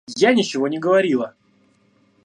Я ничего не говорила!